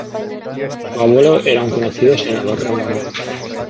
Su abuelo era un conocido senador romano.